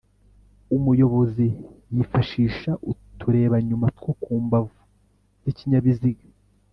umuyobozi y’ifashisha uturebanyuma two kumbavu z’ikinyabiziga